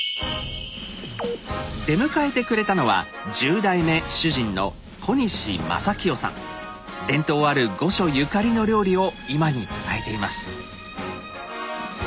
出迎えてくれたのは１０代目主人の伝統ある御所ゆかりの料理を今に伝えています。